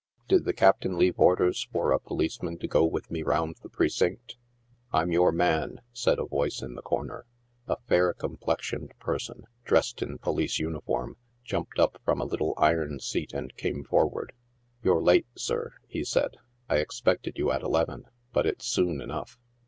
*' Did the Captain leave orders for a policeman to go with me round ihe precinct?" " I'm your man," said a voice in the corner. A fair complexioned person, dressed in police uniform, jumped up from a little iron seat and came forward. " You're late, sir," he said. " I expected you at eleven ; but it's soon enough."